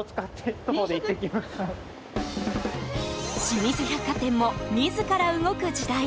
老舗百貨店も自ら動く時代。